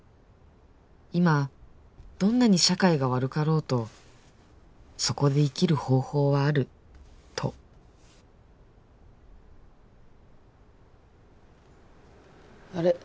今どんなに社会が悪かろうとそこで生きる方法はあるとあれ？